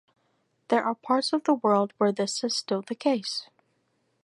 There are parts of the world where this is still the case.